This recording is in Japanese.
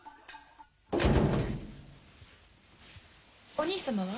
お兄様は？